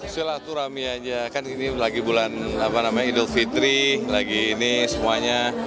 silaturahmi aja kan ini lagi bulan idul fitri lagi ini semuanya